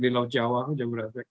di laut jawa jabodetabek